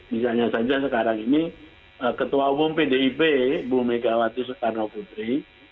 misalnya saja sekarang ini ketua umum pdip bu megawati soekarno putri